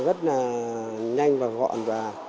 rất là nhanh và gọn